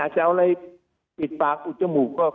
จะเอาอะไรปิดปากอุดจมูกก็